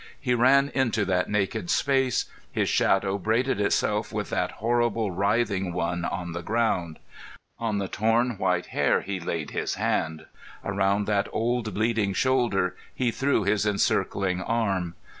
He ran into that naked space. His shadow braided itself with that horrible writhing one on the ground. On the torn white hair he laid his hand. Around that old bleeding shoulder he threw his encircling arm.